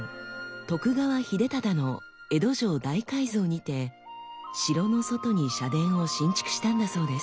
徳川秀忠の江戸城大改造にて城の外に社殿を新築したんだそうです。